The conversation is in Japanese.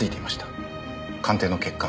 鑑定の結果